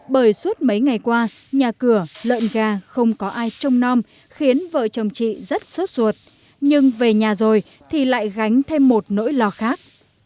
bởi suốt mấy ngày qua nhà cửa lợn gà không có ai trông non khiến vợ chồng chị rất sốt ruột nhưng về nhà rồi thì lại gánh thêm một nỗi lo khác